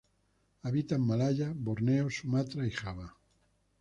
Habita en Malaya, Borneo, Sumatra y Java.